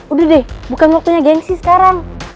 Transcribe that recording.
udah deh bukan waktunya gengsi sekarang